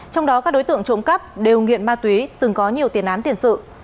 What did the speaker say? trong đó các đối tượng trộm cắp đều nghiện ma túy từng có nhiều tiền án tiền sự